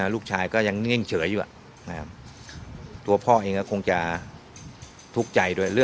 ลูกชายก็ยังนิ่งเฉยอยู่นะครับตัวพ่อเองก็คงจะทุกข์ใจด้วย